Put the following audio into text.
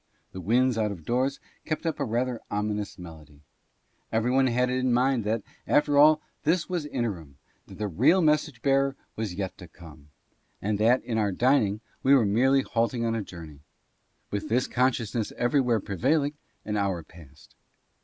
The winds out of doors kept up a rather ominous melody. Everybody had it in mind that, after all, this was interim, that the real message bearer was yet to come, and that, in our dining, we were merely halting on a journey. With this consciousness everywhere pre vailing, an hour passed.